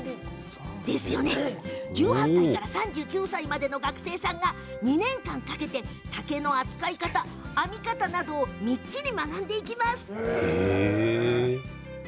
１８歳から３９歳までの学生が２年間かけて竹の扱い方、編み方などをみっちり学んでいきます。